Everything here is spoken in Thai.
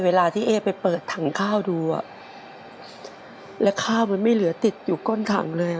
เวลาที่เอ๊ไปเปิดถังข้าวดูอ่ะแล้วข้าวมันไม่เหลือติดอยู่ก้นถังเลย